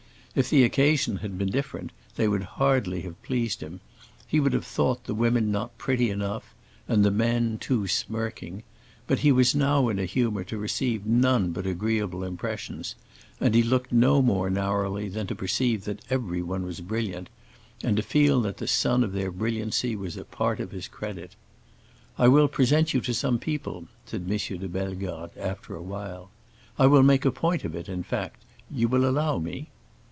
If the occasion had been different they would hardly have pleased him; he would have thought the women not pretty enough and the men too smirking; but he was now in a humor to receive none but agreeable impressions, and he looked no more narrowly than to perceive that everyone was brilliant, and to feel that the sun of their brilliancy was a part of his credit. "I will present you to some people," said M. de Bellegarde after a while. "I will make a point of it, in fact. You will allow me?"